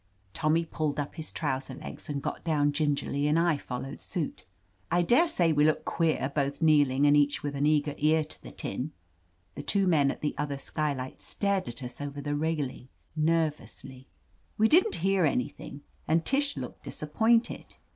Tommy pulled up his trousers legs and got down gingerly, and I followed suit. I daresay we looked queer, both kneeling, and each with an eager ear to the tin. The two men at the other skylight stared at us over the railing nervously. We didn't hear anything, and Tish looked i8o ^ ft OF LETITIA CARBERRY disappointed.